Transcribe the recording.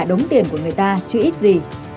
cả đống tiền của người ta chứ ít gì